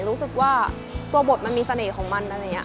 รู้สึกว่าตัวบทมันมีเสน่ห์ของมัน